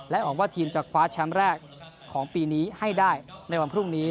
หวังว่าทีมจะคว้าแชมป์แรกของปีนี้ให้ได้ในวันพรุ่งนี้